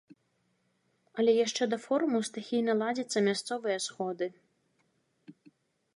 Але яшчэ да форуму стыхійна ладзяцца мясцовыя сходы.